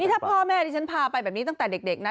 ถ้าพ่อแม่ดิฉันพาไปแบบนี้ตั้งแต่เด็กนะ